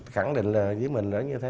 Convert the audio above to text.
khẳng định là với mình là như thế